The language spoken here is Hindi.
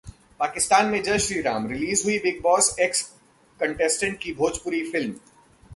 पाकिस्तान में जय श्रीराम: रिलीज हुई Bigg Boss एक्स कंटेस्टेंट की भोजपुरी फिल्म